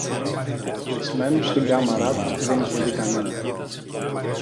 Κλεισμένος στην κάμαρα του, δεν είχε δει κανένα